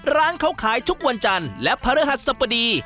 ร้านเขาขายทุกวันจันทร์และพระฤหัสสบดี